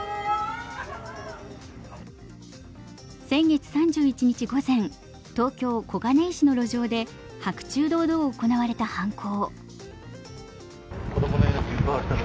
先月３１日午前、東京・小金井市の路上で白昼堂々行われた犯行。